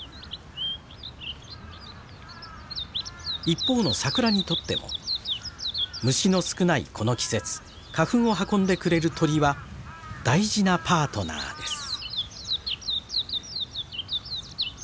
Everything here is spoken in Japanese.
一方の桜にとっても虫の少ないこの季節花粉を運んでくれる鳥は大事なパートナーです。